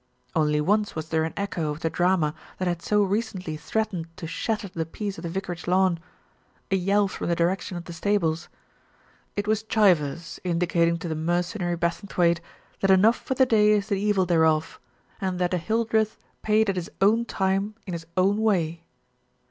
Only once was there an echo of the drama that had so recently threatened to shatter the peace of the vicar age lawn a yell from the direction of the stables. It was Chivers indicating to the mercenary Bassing thwaighte that enough for the day is the evil thereof, and that a Hildreth paid at his own time in his own way.